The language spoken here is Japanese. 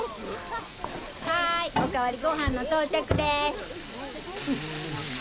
ハイお代わりごはんの到着です！